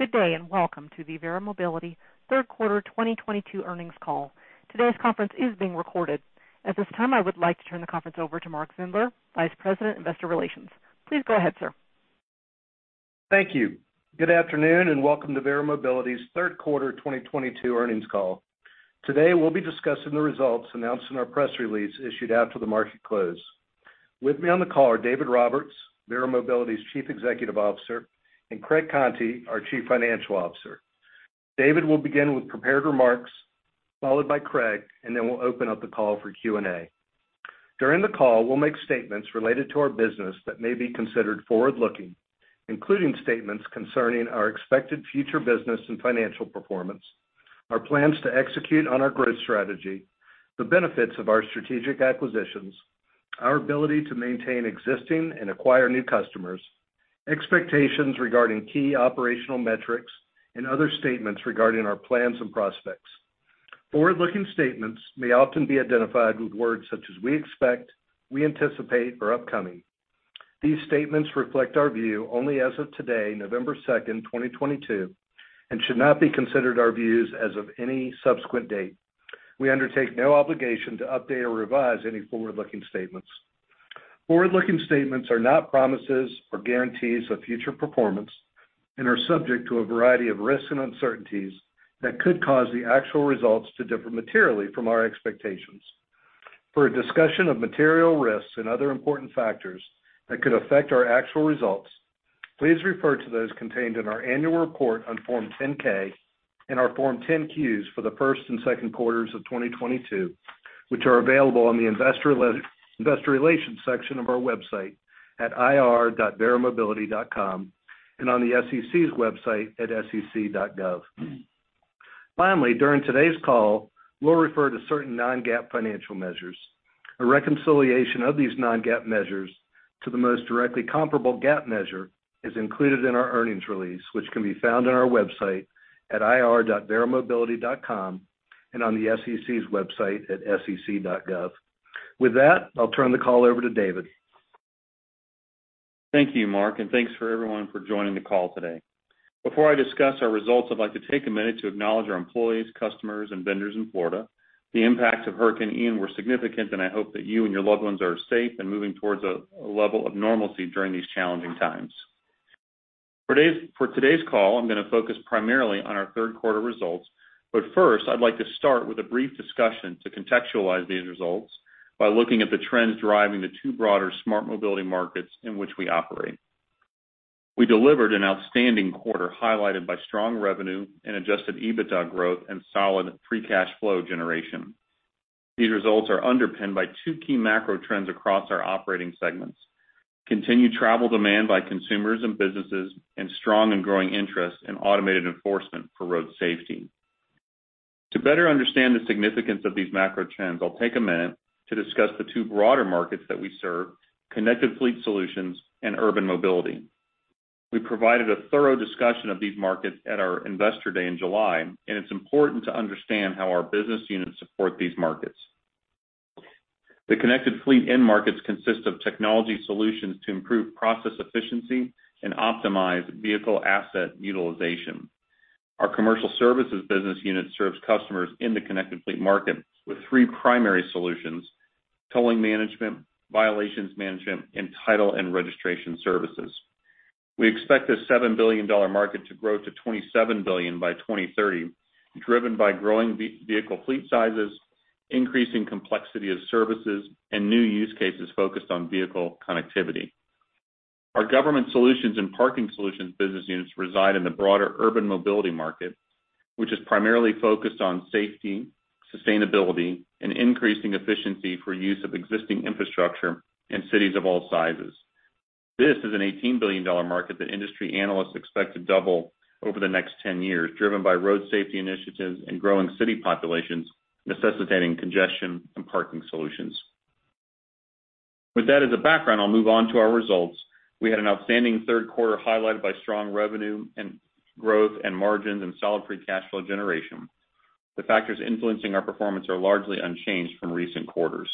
Good day, and welcome to the Verra Mobility third quarter 2022 earnings call. Today's conference is being recorded. At this time, I would like to turn the conference over to Mark Zindler, Vice President, Investor Relations. Please go ahead, sir. Thank you. Good afternoon, and welcome to Verra Mobility's third quarter 2022 earnings call. Today, we'll be discussing the results announced in our press release issued after the market close. With me on the call are David Roberts, Verra Mobility's Chief Executive Officer, and Craig Conti, our Chief Financial Officer. David will begin with prepared remarks, followed by Craig, and then we'll open up the call for Q&A. During the call, we'll make statements related to our business that may be considered forward-looking, including statements concerning our expected future business and financial performance, our plans to execute on our growth strategy, the benefits of our strategic acquisitions, our ability to maintain existing and acquire new customers, expectations regarding key operational metrics and other statements regarding our plans and prospects. Forward-looking statements may often be identified with words such as we expect, we anticipate or upcoming. These statements reflect our view only as of today, November 2nd, 2022, and should not be considered our views as of any subsequent date. We undertake no obligation to update or revise any forward-looking statements. Forward-looking statements are not promises or guarantees of future performance and are subject to a variety of risks and uncertainties that could cause the actual results to differ materially from our expectations. For a discussion of material risks and other important factors that could affect our actual results, please refer to those contained in our annual report on Form 10-K and our Form 10-Q for the first and second quarters of 2022, which are available on the investor relations section of our website at ir.verramobility.com and on the SEC's website at sec.gov. Finally, during today's call, we'll refer to certain non-GAAP financial measures. A reconciliation of these non-GAAP measures to the most directly comparable GAAP measure is included in our earnings release, which can be found on our website at ir.verramobility.com and on the SEC's website at sec.gov. With that, I'll turn the call over to David. Thank you, Mark, and thanks for everyone for joining the call today. Before I discuss our results, I'd like to take a minute to acknowledge our employees, customers and vendors in Florida. The impacts of Hurricane Ian were significant, and I hope that you and your loved ones are safe and moving towards a level of normalcy during these challenging times. For today's call, I'm gonna focus primarily on our third quarter results, but first, I'd like to start with a brief discussion to contextualize these results by looking at the trends driving the two broader smart mobility markets in which we operate. We delivered an outstanding quarter, highlighted by strong revenue and Adjusted EBITDA growth and solid free cash flow generation. These results are underpinned by two key macro trends across our operating segments, continued travel demand by consumers and businesses, and strong and growing interest in automated enforcement for road safety. To better understand the significance of these macro trends, I'll take a minute to discuss the two broader markets that we serve, connected fleet solutions and urban mobility. We provided a thorough discussion of these markets at our Investor Day in July, and it's important to understand how our business units support these markets. The connected fleet end markets consist of technology solutions to improve process efficiency and optimize vehicle asset utilization. Our Commercial Services business unit serves customers in the connected fleet market with three primary solutions, tolling management, violations management, and title and registration services. We expect this $7 billion market to grow to $27 billion by 2030, driven by growing vehicle fleet sizes, increasing complexity of services and new use cases focused on vehicle connectivity. Our Government Solutions and Parking Solutions business units reside in the broader urban mobility market, which is primarily focused on safety, sustainability and increasing efficiency for use of existing infrastructure in cities of all sizes. This is an $18 billion market that industry analysts expect to double over the next 10 years, driven by road safety initiatives and growing city populations necessitating congestion and Parking Solutions. With that as a background, I'll move on to our results. We had an outstanding third quarter, highlighted by strong revenue growth and margins and solid free cash flow generation. The factors influencing our performance are largely unchanged from recent quarters.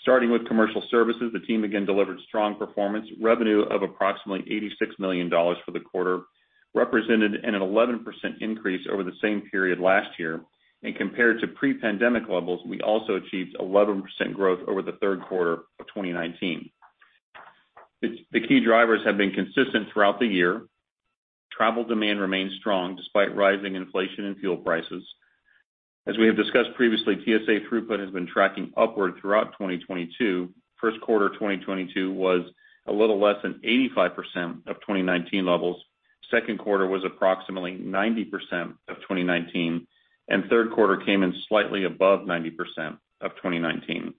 Starting with Commercial Services, the team again delivered strong performance. Revenue of approximately $86 million for the quarter represented an 11% increase over the same period last year. Compared to pre-pandemic levels, we also achieved 11% growth over the third quarter of 2019. The key drivers have been consistent throughout the year. Travel demand remains strong despite rising inflation and fuel prices. As we have discussed previously, TSA throughput has been tracking upward throughout 2022. First quarter 2022 was a little less than 85% of 2019 levels. Second quarter was approximately 90% of 2019, and third quarter came in slightly above 90% of 2019.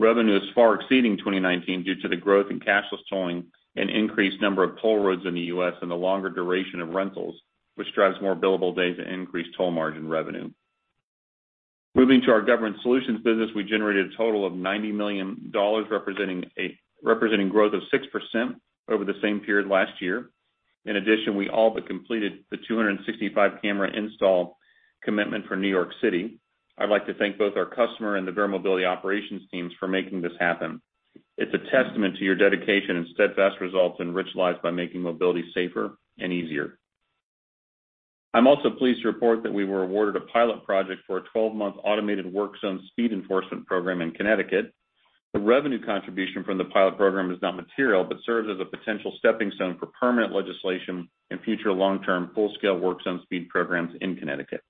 Revenue is far exceeding 2019 due to the growth in cashless tolling and increased number of toll roads in the US and the longer duration of rentals, which drives more billable days and increased toll margin revenue. Moving to our Government Solutions business, we generated a total of $90 million, representing growth of 6% over the same period last year. In addition, we all but completed the 265 camera install commitment for New York City. I'd like to thank both our customer and the Verra Mobility operations teams for making this happen. It's a testament to your dedication and steadfast results enrich lives by making mobility safer and easier. I'm also pleased to report that we were awarded a pilot project for a 12-month automated work zone speed enforcement program in Connecticut. The revenue contribution from the pilot program is not material, but serves as a potential stepping stone for permanent legislation and future long-term full-scale work zone speed programs in Connecticut.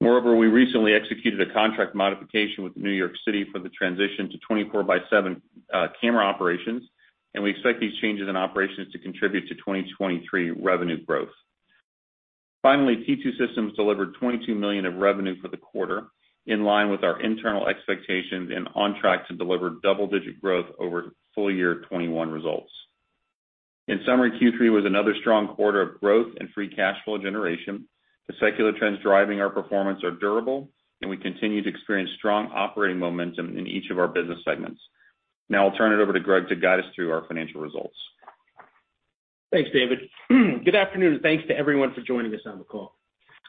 Moreover, we recently executed a contract modification with New York City for the transition to 24/7 camera operations, and we expect these changes in operations to contribute to 2023 revenue growth. Finally, T2 Systems delivered $22 million of revenue for the quarter, in line with our internal expectations and on track to deliver double-digit growth over full year 2021 results. In summary, Q3 was another strong quarter of growth and free cash flow generation. The secular trends driving our performance are durable, and we continue to experience strong operating momentum in each of our business segments. Now I'll turn it over to Craig to guide us through our financial results. Thanks, David. Good afternoon, and thanks to everyone for joining us on the call.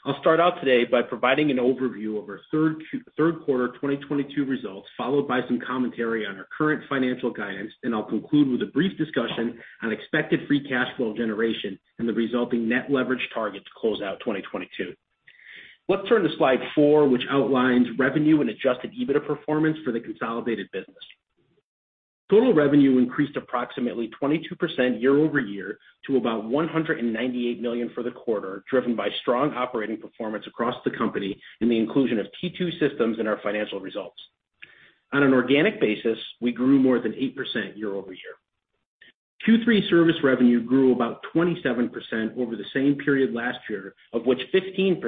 I'll start out today by providing an overview of our third quarter 2022 results, followed by some commentary on our current financial guidance, and I'll conclude with a brief discussion on expected free cash flow generation and the resulting net leverage target to close out 2022. Let's turn to slide four, which outlines revenue and Adjusted EBITDA performance for the consolidated business. Total revenue increased approximately 22% year-over-year to about $198 million for the quarter, driven by strong operating performance across the company and the inclusion of T2 Systems in our financial results. On an organic basis, we grew more than 8% year-over-year. Q3 service revenue grew about 27% over the same period last year, of which 15%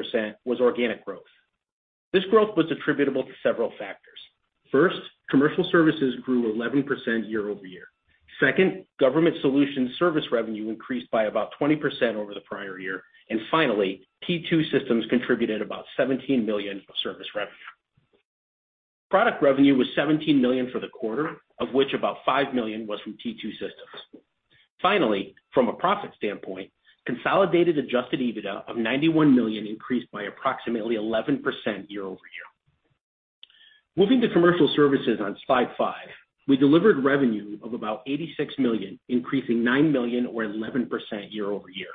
was organic growth. This growth was attributable to several factors. First, Commercial Services grew 11% year-over-year. Second, Government Solutions Service revenue increased by about 20% over the prior year. Finally, T2 Systems contributed about $17 million of service revenue. Product revenue was $17 million for the quarter, of which about $5 million was from T2 Systems. Finally, from a profit standpoint, consolidated Adjusted EBITDA of $91 million increased by approximately 11% year-over-year. Moving to Commercial Services on slide five, we delivered revenue of about $86 million, increasing $9 million or 11% year-over-year.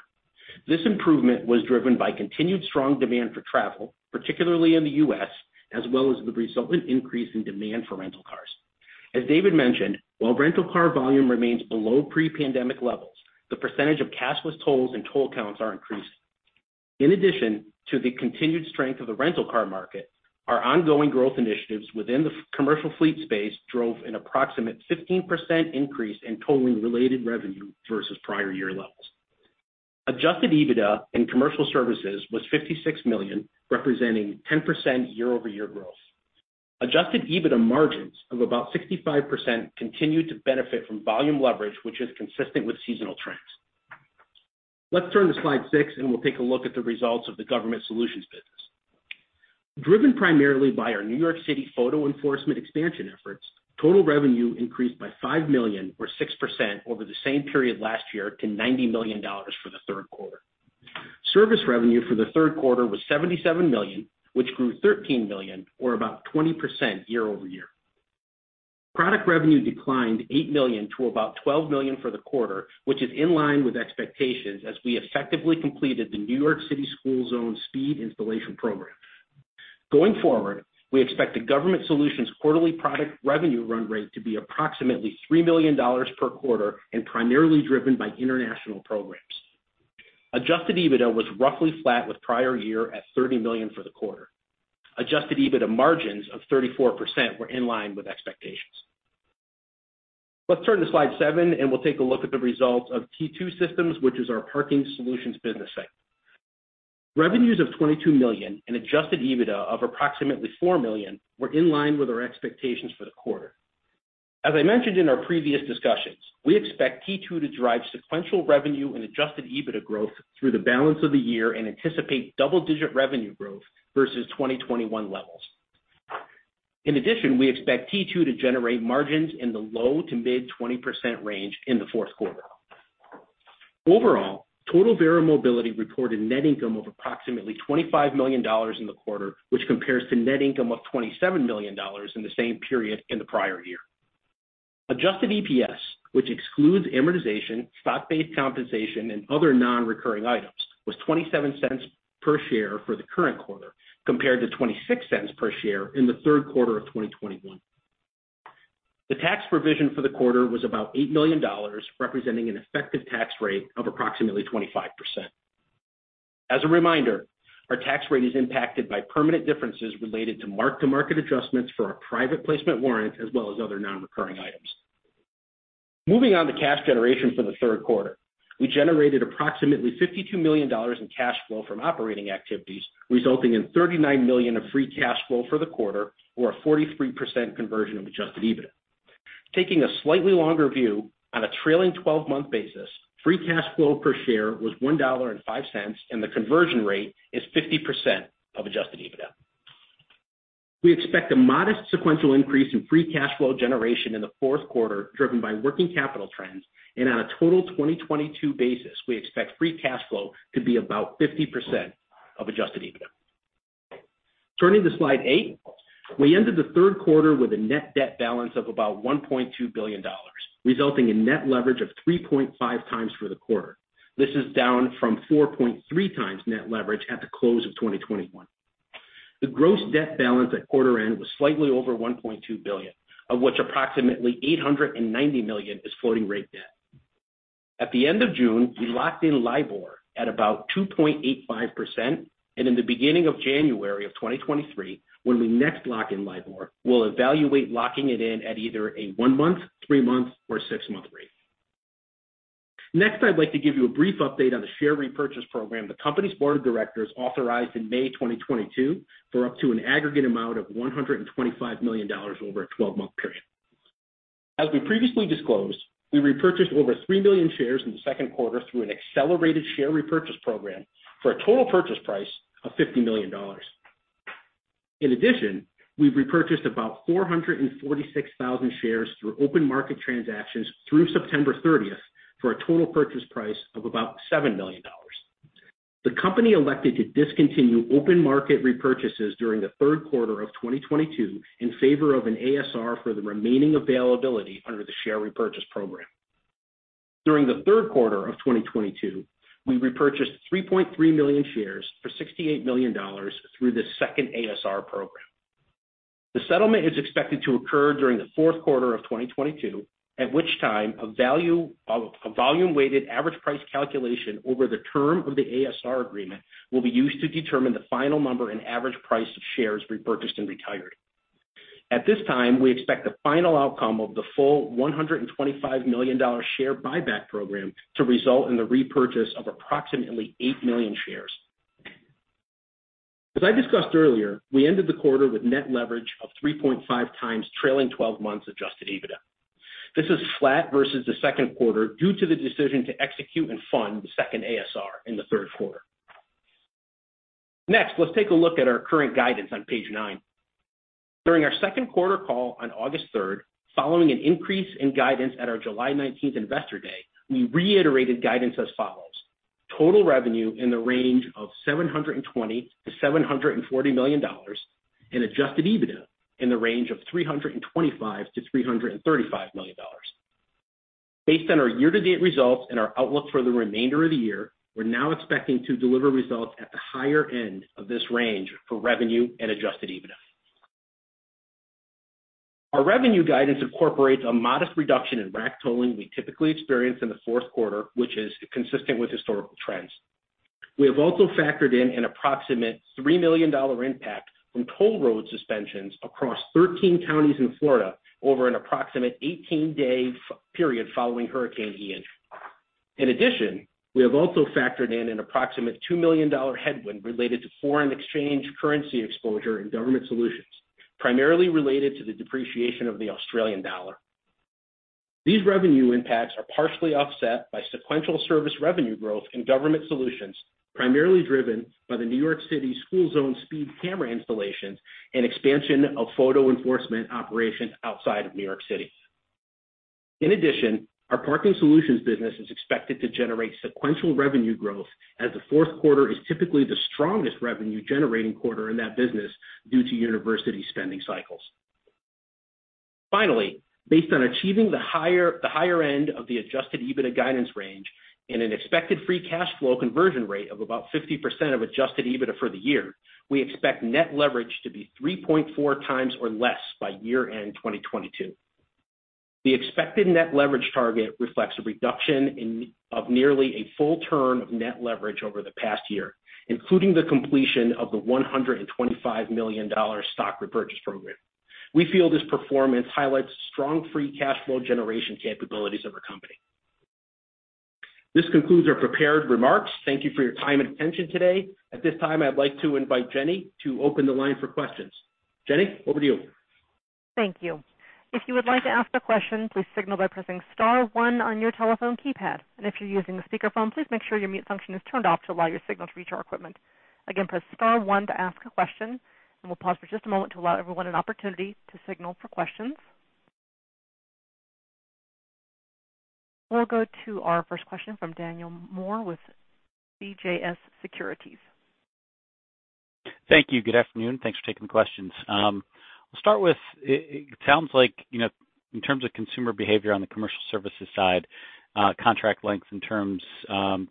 This improvement was driven by continued strong demand for travel, particularly in the U.S., as well as the resultant increase in demand for rental cars. As David mentioned, while rental car volume remains below pre-pandemic levels, the percentage of cashless tolls and toll counts are increasing. In addition to the continued strength of the rental car market, our ongoing growth initiatives within the commercial fleet space drove an approximate 15% increase in tolling-related revenue versus prior year levels. Adjusted EBITDA in Commercial Services was $56 million, representing 10% year-over-year growth. Adjusted EBITDA margins of about 65% continued to benefit from volume leverage, which is consistent with seasonal trends. Let's turn to slide six, and we'll take a look at the results of the Government Solutions business. Driven primarily by our New York City photo enforcement expansion efforts, total revenue increased by $5 million or 6% over the same period last year to $90 million for the third quarter. Service revenue for the third quarter was $77 million, which grew $13 million or about 20% year-over-year. Product revenue declined $8 million to about $12 million for the quarter, which is in line with expectations as we effectively completed the New York City school zone speed installation program. Going forward, we expect the Government Solutions quarterly product revenue run rate to be approximately $3 million per quarter and primarily driven by international programs. Adjusted EBITDA was roughly flat with prior year at $30 million for the quarter. Adjusted EBITDA margins of 34% were in line with expectations. Let's turn to slide seven, and we'll take a look at the results of T2 Systems, which is our Parking Solutions business segment. Revenues of $22 million and Adjusted EBITDA of approximately $4 million were in line with our expectations for the quarter. As I mentioned in our previous discussions, we expect T2 to drive sequential revenue and adjusted EBITDA growth through the balance of the year and anticipate double-digit revenue growth versus 2021 levels. In addition, we expect T2 to generate margins in the low- to mid-20% range in the fourth quarter. Overall, total Verra Mobility reported net income of approximately $25 million in the quarter, which compares to net income of $27 million in the same period in the prior year. Adjusted EPS, which excludes amortization, stock-based compensation, and other non-recurring items, was $0.27 per share for the current quarter, compared to $0.26 per share in the third quarter of 2021. The tax provision for the quarter was about $8 million, representing an effective tax rate of approximately 25%. As a reminder, our tax rate is impacted by permanent differences related to mark-to-market adjustments for our private placement warrants as well as other non-recurring items. Moving on to cash generation for the third quarter. We generated approximately $52 million in cash flow from operating activities, resulting in $39 million of free cash flow for the quarter or a 43% conversion of adjusted EBITDA. Taking a slightly longer view, on a trailing 12-month basis, free cash flow per share was $1.05, and the conversion rate is 50% of adjusted EBITDA. We expect a modest sequential increase in free cash flow generation in the fourth quarter, driven by working capital trends. On a total 2022 basis, we expect free cash flow to be about 50% of adjusted EBITDA. Turning to slide eight. We ended the third quarter with a net debt balance of about $1.2 billion, resulting in net leverage of 3.5x for the quarter. This is down from 4.3x net leverage at the close of 2021. The gross debt balance at quarter end was slightly over $1.2 billion, of which approximately $890 million is floating rate debt. At the end of June, we locked in LIBOR at about 2.85%, and in the beginning of January 2023, when we next lock in LIBOR, we'll evaluate locking it in at either a one-month, three-month, or six-month rate. Next, I'd like to give you a brief update on the share repurchase program the company's board of directors authorized in May 2022 for up to an aggregate amount of $125 million over a 12-month period. As we previously disclosed, we repurchased over 3 million shares in the second quarter through an accelerated share repurchase program for a total purchase price of $50 million. In addition, we've repurchased about 446,000 shares through open market transactions through September 30th for a total purchase price of about $7 million. The company elected to discontinue open market repurchases during the third quarter of 2022 in favor of an ASR for the remaining availability under the share repurchase program. During the third quarter of 2022, we repurchased 3.3 million shares for $68 million through the second ASR program. The settlement is expected to occur during the fourth quarter of 2022, at which time a volume weighted average price calculation over the term of the ASR agreement will be used to determine the final number and average price of shares repurchased and retired. At this time, we expect the final outcome of the full $125 million share buyback program to result in the repurchase of approximately 8 million shares. As I discussed earlier, we ended the quarter with net leverage of 3.5x trailing 12 months adjusted EBITDA. This is flat versus the second quarter due to the decision to execute and fund the second ASR in the third quarter. Next, let's take a look at our current guidance on page nine. During our second quarter call on August 3rd, following an increase in guidance at our July 19th Investor Day, we reiterated guidance as follows: total revenue in the range of $720 million-$740 million and Adjusted EBITDA in the range of $325 million-$335 million. Based on our year-to-date results and our outlook for the remainder of the year, we're now expecting to deliver results at the higher end of this range for revenue and Adjusted EBITDA. Our revenue guidance incorporates a modest reduction in rack tolling we typically experience in the fourth quarter, which is consistent with historical trends. We have also factored in an approximate $3 million impact from toll road suspensions across 13 counties in Florida over an approximate 18-day period following Hurricane Ian. In addition, we have also factored in an approximate $2 million headwind related to foreign exchange currency exposure in Government Solutions, primarily related to the depreciation of the Australian dollar. These revenue impacts are partially offset by sequential service revenue growth in Government Solutions, primarily driven by the New York City school zone speed camera installations and expansion of photo enforcement operations outside of New York City. In addition, our Parking Solutions business is expected to generate sequential revenue growth as the fourth quarter is typically the strongest revenue generating quarter in that business due to university spending cycles. Finally, based on achieving the higher end of the Adjusted EBITDA guidance range and an expected free cash flow conversion rate of about 50% of Adjusted EBITDA for the year, we expect net leverage to be 3.4x or less by year-end 2022. The expected net leverage target reflects a reduction of nearly a full turn of net leverage over the past year, including the completion of the $125 million stock repurchase program. We feel this performance highlights strong free cash flow generation capabilities of our company. This concludes our prepared remarks. Thank you for your time and attention today. At this time, I'd like to invite Jenny to open the line for questions. Jenny, over to you. Thank you. If you would like to ask a question, please signal by pressing star one on your telephone keypad. If you're using a speakerphone, please make sure your mute function is turned off to allow your signal to reach our equipment. Again, press star one to ask a question, and we'll pause for just a moment to allow everyone an opportunity to signal for questions. We'll go to our first question from Daniel Moore with CJS Securities. Thank you. Good afternoon. Thanks for taking the questions. I'll start with it. It sounds like, you know, in terms of consumer behavior on the Commercial Services side, contract length and terms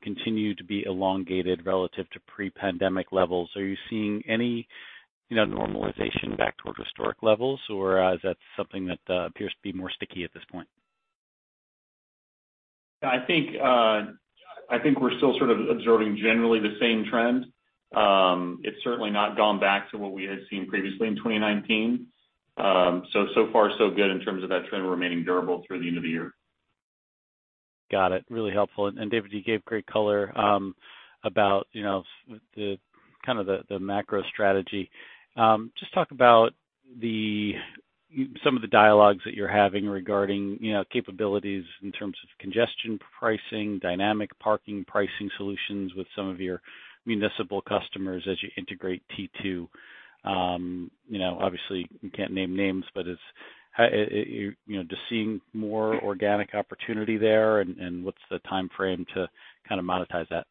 continue to be elongated relative to pre-pandemic levels. Are you seeing any, you know, normalization back towards historic levels or is that something that appears to be more sticky at this point? I think we're still sort of observing generally the same trend. It's certainly not gone back to what we had seen previously in 2019. So far, so good in terms of that trend remaining durable through the end of the year. Got it. Really helpful. David, you gave great color about, you know, the kind of the macro strategy. Just talk about the- Some of the dialogues that you're having regarding, you know, capabilities in terms of congestion pricing, dynamic parking pricing solutions with some of your municipal customers as you integrate T2 Systems. You know, obviously you can't name names, but you know, just seeing more organic opportunity there and what's the timeframe to kinda monetize that?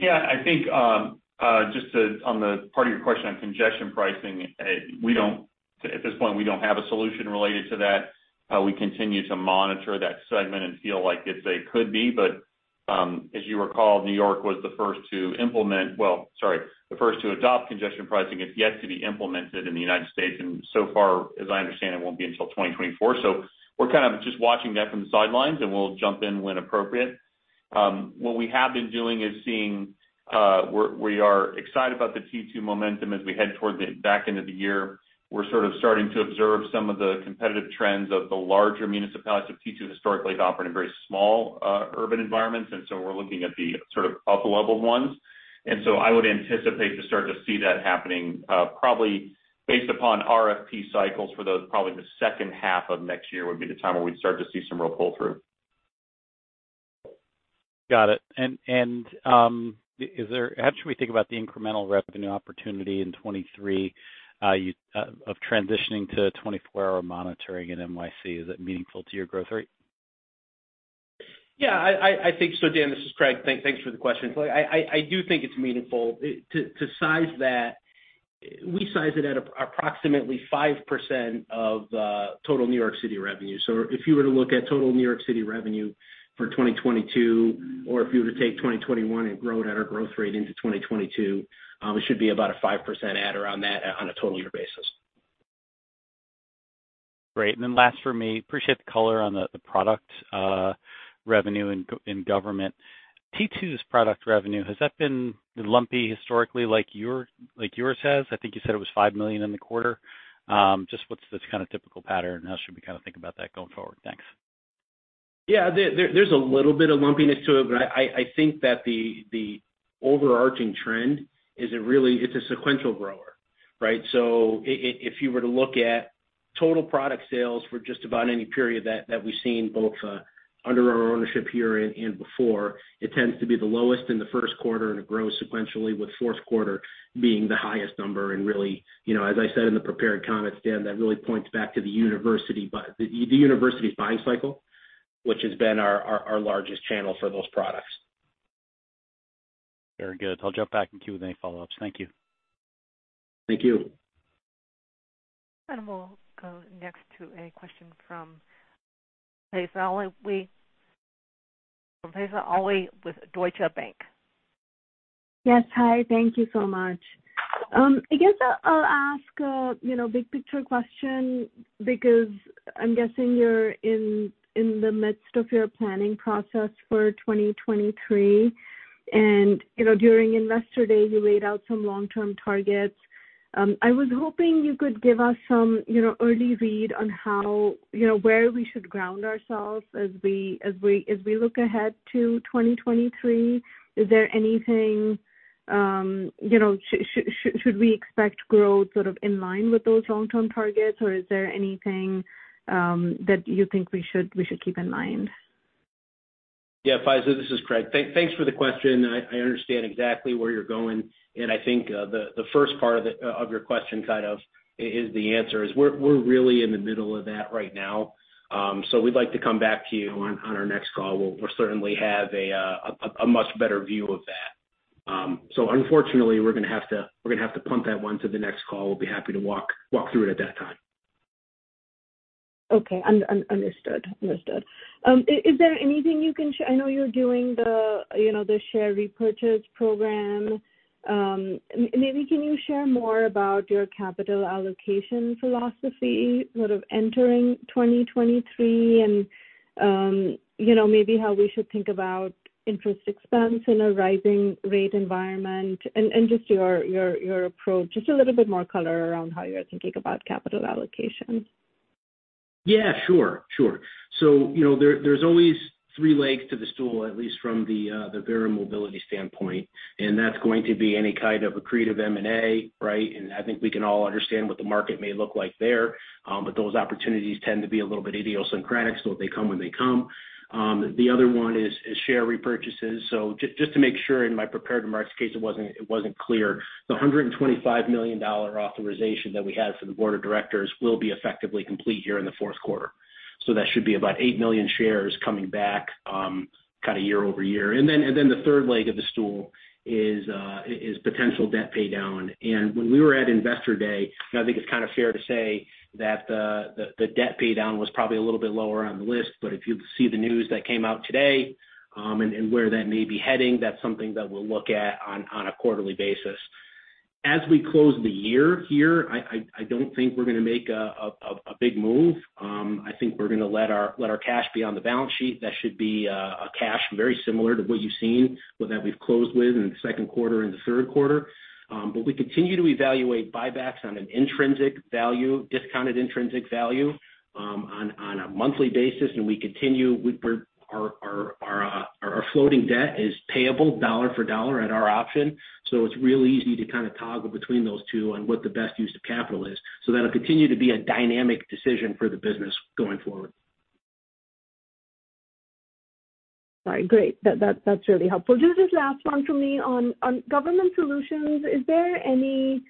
Yeah, I think, on the part of your question on congestion pricing, at this point, we don't have a solution related to that. We continue to monitor that segment and feel like it could be. As you recall, New York was the first to adopt congestion pricing. It's yet to be implemented in the United States, and so far, as I understand, it won't be until 2024. We're kind of just watching that from the sidelines, and we'll jump in when appropriate. What we have been doing is, we are excited about the T2 momentum as we head toward the back end of the year. We're sort of starting to observe some of the competitive trends of the larger municipalities of T2 historically to operate in very small, urban environments, and so we're looking at the sort of upper-level ones. I would anticipate to start to see that happening, probably based upon RFP cycles for those, probably the second half of next year would be the time where we'd start to see some real pull-through. Got it. How should we think about the incremental revenue opportunity in 2023 of transitioning to a 24-hour monitoring at NYC? Is it meaningful to your growth rate? Yeah, I think so. Dan, this is Craig. Thanks for the question. I do think it's meaningful. To size that, we size it at approximately 5% of total New York City revenue. If you were to look at total New York City revenue for 2022, or if you were to take 2021 and grow it at our growth rate into 2022, it should be about a 5% add around that on a total year basis. Great. Last for me. Appreciate the color on the product revenue in government. T2's product revenue, has that been lumpy historically, like yours has? I think you said it was $5 million in the quarter. Just what's the kind of typical pattern? How should we kinda think about that going forward? Thanks. Yeah. There's a little bit of lumpiness to it, but I think that the overarching trend is it's a sequential grower, right? If you were to look at total product sales for just about any period that we've seen, both under our ownership here and before, it tends to be the lowest in the first quarter and it grows sequentially, with fourth quarter being the highest number. Really, you know, as I said in the prepared comments, Dan, that really points back to the university's buying cycle, which has been our largest channel for those products. Very good. I'll jump back in queue with any follow-ups. Thank you. Thank you. We'll go next to a question from Faiza Alwy with Deutsche Bank. Yes. Hi, thank you so much. I guess I'll ask big picture question because I'm guessing you're in the midst of your planning process for 2023. During Investor Day, you laid out some long-term targets. I was hoping you could give us some early read on how where we should ground ourselves as we look ahead to 2023. Is there anything we should expect growth sort of in line with those long-term targets, or is there anything that you think we should keep in mind? Yeah. Faiza, this is Craig. Thanks for the question. I understand exactly where you're going. I think the first part of your question kind of is the answer, is we're really in the middle of that right now. We'd like to come back to you on our next call. We'll certainly have a much better view of that. Unfortunately, we're gonna have to punt that one to the next call. We'll be happy to walk through it at that time. Okay. Understood. I know you're doing the, you know, the share repurchase program. Maybe can you share more about your capital allocation philosophy sort of entering 2023 and, you know, maybe how we should think about interest expense in a rising rate environment and just your approach. Just a little bit more color around how you're thinking about capital allocation. Yeah, sure. Sure. You know, there's always three legs to the stool, at least from the Verra Mobility standpoint, and that's going to be any kind of accretive M&A, right? I think we can all understand what the market may look like there. But those opportunities tend to be a little bit idiosyncratic, so they come when they come. The other one is share repurchases. Just to make sure in my prepared remarks, in case it wasn't clear, the $125 million authorization that we had for the board of directors will be effectively complete here in the fourth quarter. That should be about 8 million shares coming back, kind of year over year. Then the third leg of the stool is potential debt paydown. When we were at Investor Day, I think it's kind of fair to say that the debt paydown was probably a little bit lower on the list. If you see the news that came out today, and where that may be heading, that's something that we'll look at on a quarterly basis. As we close the year here, I don't think we're gonna make a big move. I think we're gonna let our cash be on the balance sheet. That should be a cash very similar to what you've seen that we've closed with in the second quarter and the third quarter. We continue to evaluate buybacks on discounted intrinsic value, on a monthly basis. Our floating debt is payable dollar for dollar at our option. It's real easy to kinda toggle between those two on what the best use of capital is. That'll continue to be a dynamic decision for the business going forward. Sorry. Great. That's really helpful. Just this last one for me on Government Solutions. Is there any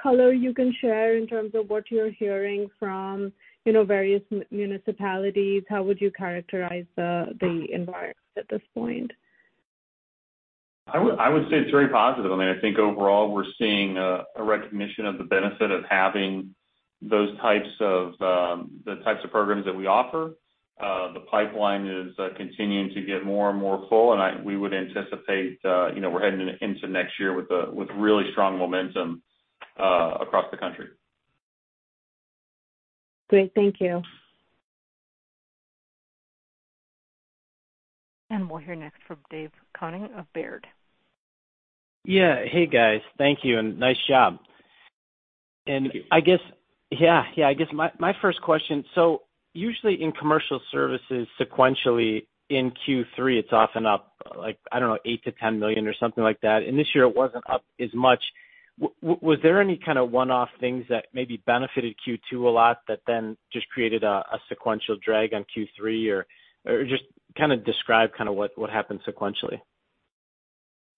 color you can share in terms of what you're hearing from, you know, various municipalities? How would you characterize the environment at this point? I would say it's very positive. I mean, I think overall we're seeing a recognition of the benefit of having those types of programs that we offer. The pipeline is continuing to get more and more full, and we would anticipate, you know, we're heading into next year with really strong momentum across the country. Great. Thank you. We'll hear next from Dave Koning of Baird. Yeah. Hey, guys. Thank you and nice job. I guess. Yeah, yeah, I guess my first question: Usually in Commercial Services, sequentially in Q3, it's often up, like, I don't know, $8 million-$10 million or something like that. This year it wasn't up as much. Was there any kind of one-off things that maybe benefited Q2 a lot that then just created a sequential drag on Q3? Or just kind of describe kind of what happened sequentially.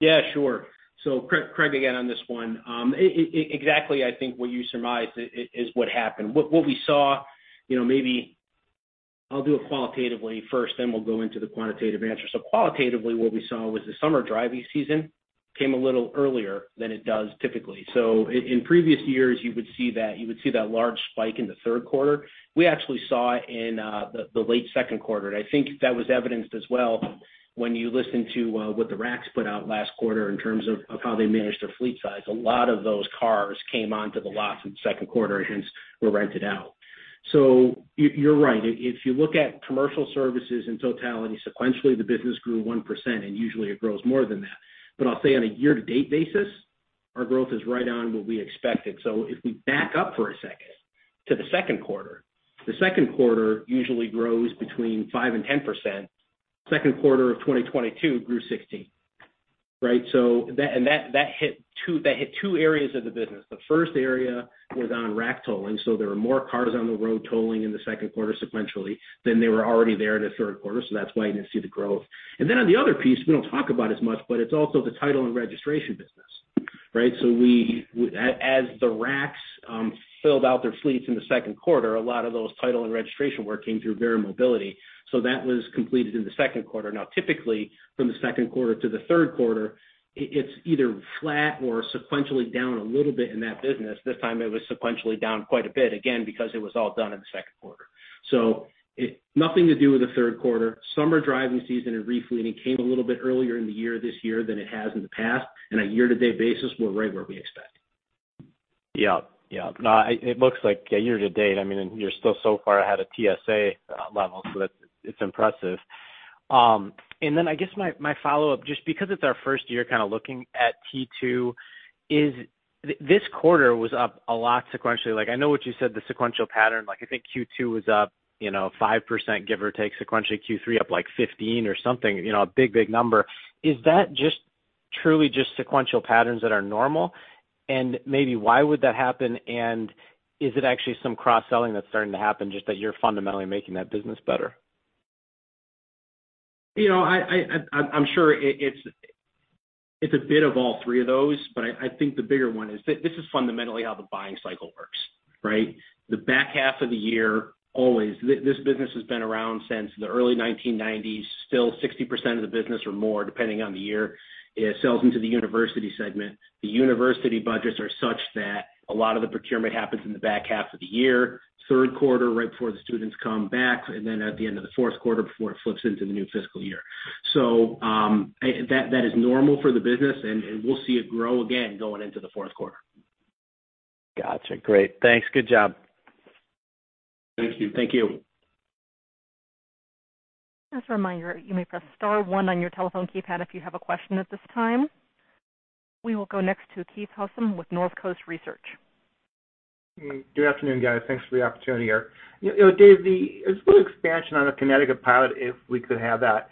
Yeah, sure. Craig again on this one. Exactly, I think what you surmised is what happened. What we saw, you know, maybe I'll do it qualitatively first, then we'll go into the quantitative answer. Qualitatively, what we saw was the summer driving season came a little earlier than it does typically. In previous years, you would see that large spike in the third quarter. We actually saw it in the late second quarter. I think that was evidenced as well when you listen to what the Hertz put out last quarter in terms of how they managed their fleet size. A lot of those cars came onto the lot in the second quarter and hence were rented out. You're right. If you look at Commercial Services in totality, sequentially the business grew 1%, and usually it grows more than that. I'll say on a year-to-date basis, our growth is right on what we expected. If we back up for a second to the second quarter, the second quarter usually grows between 5% and 10%. Second quarter of 2022 grew 16%, right? That hit two areas of the business. The first area was on rack tolling. There were more cars on the road tolling in the second quarter sequentially than they were already there in the third quarter. That's why you didn't see the growth. Then on the other piece, we don't talk about as much, but it's also the title and registration business, right? As the racks filled out their fleets in the second quarter, a lot of that title and registration work came through Verra Mobility. That was completed in the second quarter. Now, typically from the second quarter to the third quarter, it's either flat or sequentially down a little bit in that business. This time it was sequentially down quite a bit, again because it was all done in the second quarter. It's nothing to do with the third quarter. Summer driving season and re-fleet came a little bit earlier in the year this year than it has in the past. On a year-to-date basis, we're right where we expect. No, it looks like year to date, I mean, you're still so far ahead of TSA levels, so it's impressive. Then I guess my follow-up, just because it's our first year kind of looking at T2, is this quarter was up a lot sequentially. Like, I know what you said, the sequential pattern, like I think Q2 was up, you know, 5% give or take sequentially, Q3 up like 15% or something, you know, a big number. Is that just truly just sequential patterns that are normal? Maybe why would that happen? Is it actually some cross-selling that's starting to happen, just that you're fundamentally making that business better? You know, I'm sure it's a bit of all three of those, but I think the bigger one is this is fundamentally how the buying cycle works, right? The back half of the year, always. This business has been around since the early 1990s. Still 60% of the business or more, depending on the year, it sells into the university segment. The university budgets are such that a lot of the procurement happens in the back half of the year, third quarter, right before the students come back, and then at the end of the fourth quarter before it flips into the new fiscal year. That is normal for the business and we'll see it grow again going into the fourth quarter. Gotcha. Great. Thanks. Good job. Thank you. Thank you. Just a reminder, you may press star one on your telephone keypad if you have a question at this time. We will go next to Keith Housum with Northcoast Research. Good afternoon, guys. Thanks for the opportunity here. You know, Dave, just a little expansion on the Connecticut pilot, if we could have that.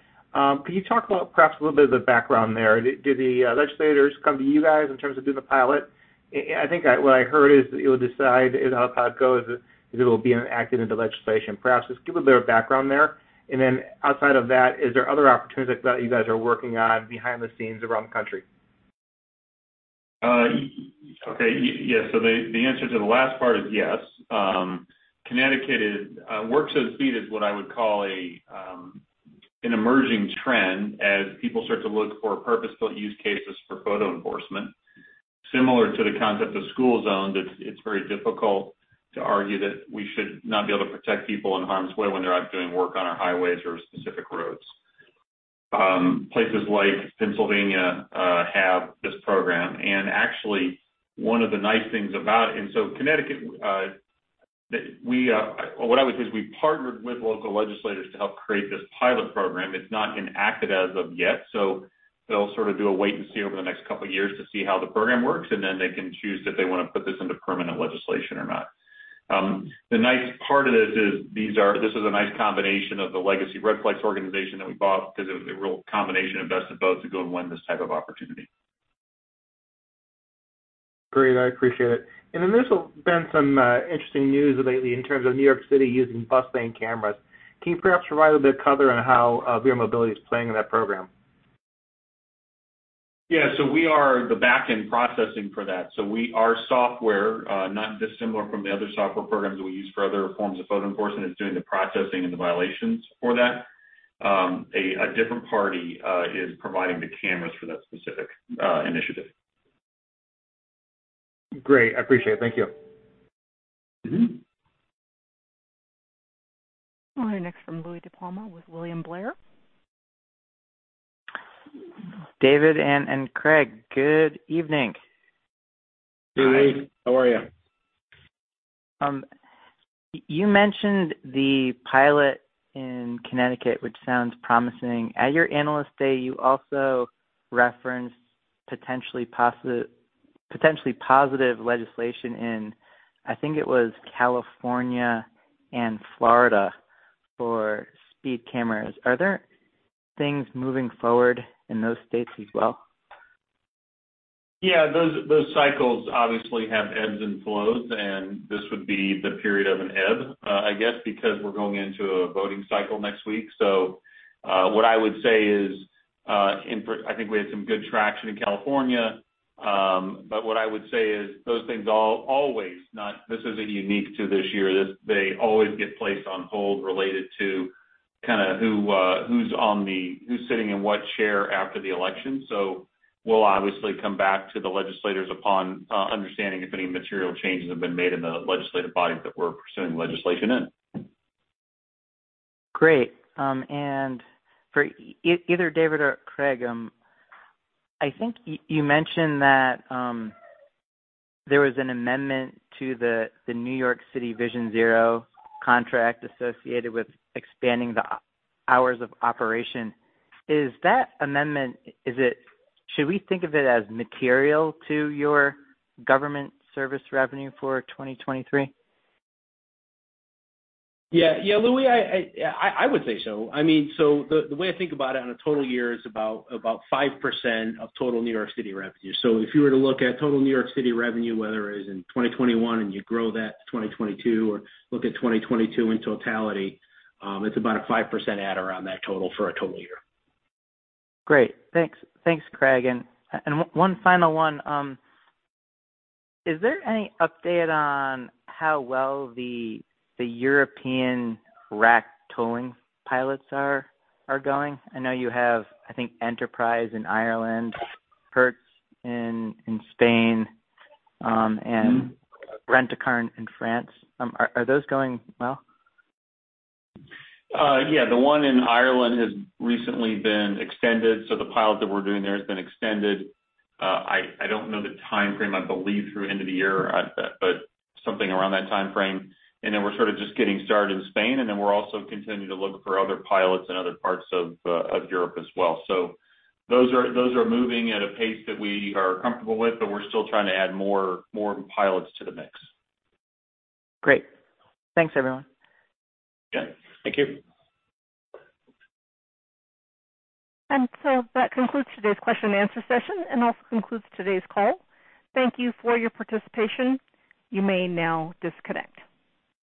Could you talk about perhaps a little bit of the background there? Did the legislators come to you guys in terms of doing the pilot? I think what I heard is that you'll decide as how it goes is it'll be enacted into legislation. Perhaps just give a little background there. Then outside of that, is there other opportunities that you guys are working on behind the scenes around the country? Yes, the answer to the last part is yes. Connecticut is work zone speed enforcement, what I would call an emerging trend as people start to look for purposeful use cases for photo enforcement. Similar to the concept of school zones, it's very difficult to argue that we should not be able to protect people in harm's way when they're out doing work on our highways or specific roads. Places like Pennsylvania have this program. Actually, one of the nice things about Connecticut, what I would say is we partnered with local legislators to help create this pilot program. It's not enacted as of yet, so they'll sort of do a wait and see over the next couple of years to see how the program works, and then they can choose if they wanna put this into permanent legislation or not. The nice part of this is this is a nice combination of the legacy Redflex organization that we bought because it was a real combination of best of both to go and win this type of opportunity. Great. I appreciate it. Then there's been some interesting news lately in terms of New York City using bus lane cameras. Can you perhaps provide a bit of color on how Verra Mobility is playing in that program? Yeah. We are the back-end processing for that. Our software, not dissimilar from the other software programs that we use for other forms of photo enforcement, is doing the processing and the violations for that. A different party is providing the cameras for that specific initiative. Great. I appreciate it. Thank you. Mm-hmm. All right. Next from Louie DiPalma with William Blair. David and Craig, good evening. Hi. Louie, how are you? You mentioned the pilot in Connecticut, which sounds promising. At your Investor Day, you also referenced potentially positive legislation in, I think it was California and Florida for speed cameras. Are there things moving forward in those states as well? Yeah, those cycles obviously have ebbs and flows, and this would be the period of an ebb, I guess because we're going into a voting cycle next week. What I would say is, I think we had some good traction in California. What I would say is those things always. This isn't unique to this year. They always get placed on hold related to kind of who's sitting in what chair after the election. We'll obviously come back to the legislators upon understanding if any material changes have been made in the legislative body that we're pursuing legislation in. Great. For either David or Craig, I think you mentioned that there was an amendment to the New York City Vision Zero contract associated with expanding the hours of operation. Should we think of it as material to your government service revenue for 2023? Yeah. Yeah, Louie, I would say so. I mean, the way I think about it on a total year is about 5% of total New York City revenue. If you were to look at total New York City revenue, whether it is in 2021 and you grow that to 2022 or look at 2022 in totality, it's about a 5% add around that total for a total year. Great. Thanks. Thanks, Craig. One final one. Is there any update on how well the European rack tolling pilots are going? I know you have, I think, Enterprise in Ireland, Hertz in Spain, and Europcar in France. Are those going well? Yeah. The one in Ireland has recently been extended, so the pilot that we're doing there has been extended. I don't know the timeframe. I believe through end of the year, but something around that timeframe. Then we're sort of just getting started in Spain, and then we're also continuing to look for other pilots in other parts of Europe as well. Those are moving at a pace that we are comfortable with, but we're still trying to add more pilots to the mix. Great. Thanks, everyone. Yeah. Thank you. That concludes today's question and answer session and also concludes today's call. Thank you for your participation. You may now disconnect.